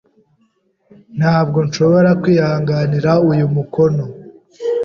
Ntabwo nshobora kwihanganira uyu munuko.